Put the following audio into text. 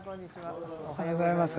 おはようございます。